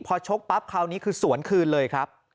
พอชกปั๊บคราวนี้คือสวนคืนเลยครับ